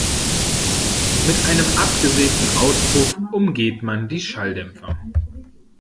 Mit einem absägten Auspuff umgeht man die Schalldämpfer.